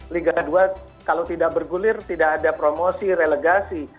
liga dua kalau tidak bergulir tidak ada promosi relegasi